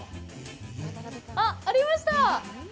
あっ、ありました！